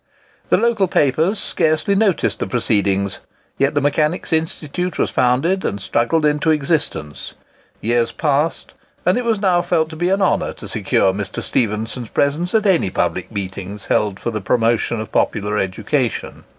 The local papers scarcely noticed the proceedings; yet the Mechanics' Institute was founded, and struggled into existence. Years passed, and it was now felt to be an honour to secure Mr. Stephenson's presence at any public meetings held for the promotion of popular education.